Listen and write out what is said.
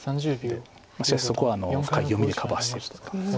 しかしそこは深い読みでカバーしていこうと。